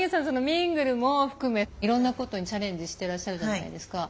ミングルも含めいろんなことにチャレンジしていらっしゃるじゃないですか。